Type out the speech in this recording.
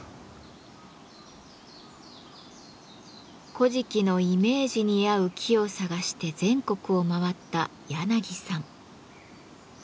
「古事記」のイメージに合う木を探して全国を回ったやなぎさん。